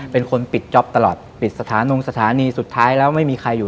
เป็นคนปิดจ๊อปตลอดปิดสถานงสถานีสุดท้ายแล้วไม่มีใครอยู่